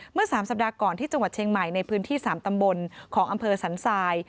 เมื่อ๓สัปดาห์ก่อนที่จังหวัดเชียงใหม่ในพื้นที่๓ตำบลของอำเภอสันทราย